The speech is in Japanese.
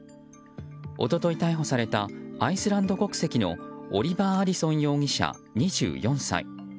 一昨日逮捕されたアイスランド国籍のオリバー・アディソン容疑者２４歳。